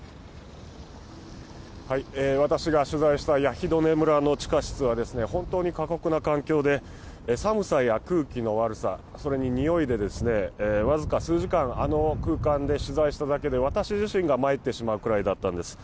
私が取材したヤヒドネ村の地下室は本当に過酷な環境で、寒さや空気の悪さ、それににおいで、僅か数時間、あの空間で取材しただけで私自身が参ってしまうくらいだったんです。